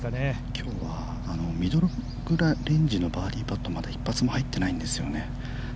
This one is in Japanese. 今日はミドルレンジのバーディーパットはまた一発も入ってないんですよね。